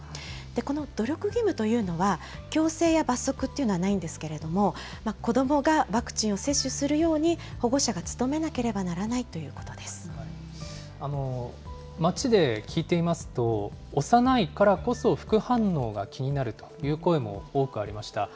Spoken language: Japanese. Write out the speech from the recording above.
この努力義務というのは、強制や罰則っていうのはないんですけれども、子どもがワクチンを接種するように保護者が努めなければな街で聞いてみますと、幼いからこそ副反応が気になるという声も多くありました。